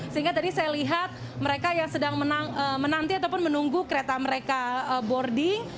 sehingga tadi saya lihat mereka yang sedang menanti ataupun menunggu kereta mereka boarding